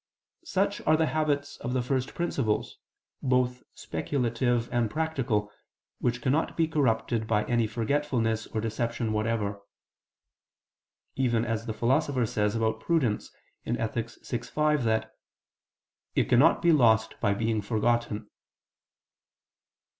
Such are the habits of the first principles, both speculative and practical, which cannot be corrupted by any forgetfulness or deception whatever: even as the Philosopher says about prudence (Ethic. vi, 5) that "it cannot be lost by being forgotten."